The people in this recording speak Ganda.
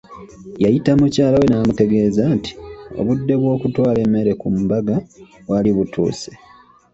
Yayita mukyala we namutegeeza nti obudde obw’okutwala emmere ku mbaga bwali butuuse.